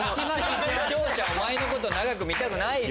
視聴者お前のこと長く見たくないよ！